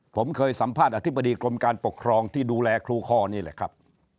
ผมเคยสัมภาษณ์อธิบดีกรมการปกครองที่ดูแลครูคอนี่แหละครับ